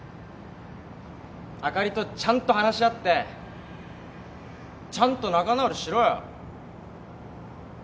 あかりとちゃんと話し合ってちゃんと仲直りしろよ。